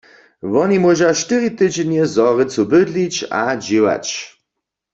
Woni móža štyri tydźenje w Zhorjelcu bydlić a dźěłać.